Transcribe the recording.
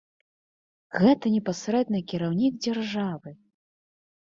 Гэта непасрэдна кіраўнік дзяржавы!